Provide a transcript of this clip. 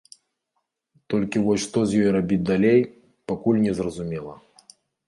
Толькі вось што з ёй рабіць далей, пакуль незразумела.